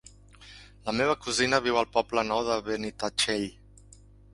La meva cosina viu al Poble Nou de Benitatxell.